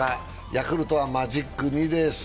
ヤクルトはマジック２です。